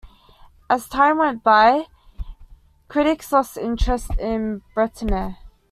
As time went by critics lost interest in Breitner.